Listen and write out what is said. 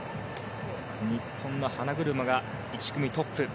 日本の花車が１組トップ。